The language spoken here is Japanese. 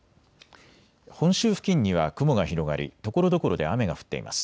本州付近には雲が広がりところどころで雨が降っています。